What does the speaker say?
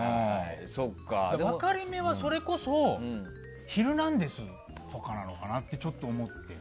分かれ目は、それこそ「ヒルナンデス！」とかなのかとちょっと思って。